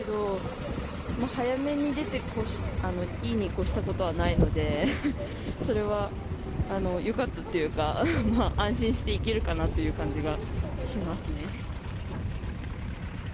早めに出ていいに越したことはないので、それはよかったっていうか、安心していけるかなっていう感じがしますね。